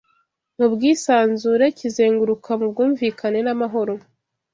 mu bwisanzure kizenguruka mu bwumvikane n’amahoro